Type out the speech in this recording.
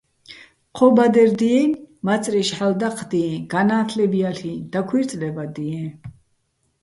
ჴო ბადერ დიენი̆, მაწრიშ ჰ̦ალო̆ დაჴდიეჼ, განა́თლებ ჲალ'იჼ, დაქუ́ჲრწლებადიეჼ.